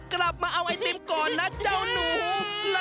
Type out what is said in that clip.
กลับมาเอาไอติมก่อนนะเจ้านุ่ม